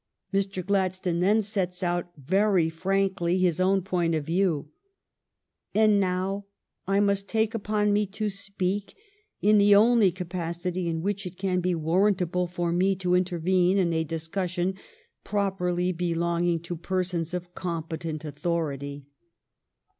Mr. Gladstone then sets out very frankly his own point of view. " And now I must take upon me to speak in the only capacity in which it can be warrantable for me to intervene in a discussion properly belonging to persons of com petent authority.